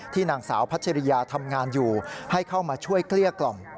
นางสาวพัชริยาทำงานอยู่ให้เข้ามาช่วยเกลี้ยกล่อม